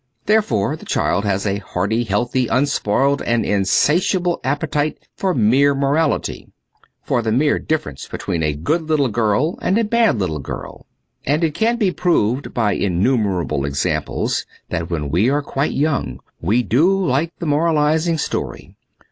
Therefore, the child has a hearty, healthy, unspoiled, and insatiable appetite for mere morality ; for the mere difference between a good little girl and a bad little girl. And it can be proved by innumerable examples that when we are quite young we do like the moralizing story.